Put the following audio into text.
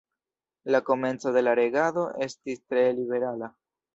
La komenco de la regado estis tre liberala.